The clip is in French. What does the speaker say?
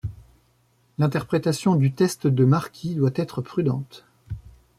L'interprétation du test de Marquis doit être prudente.